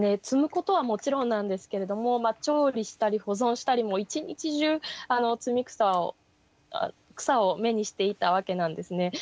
摘むことはもちろんなんですけれども調理したり保存したりもう一日中摘草を草を目にしていたわけなんですね。